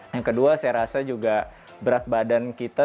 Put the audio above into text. yang kedua saya rasa juga berat badan kita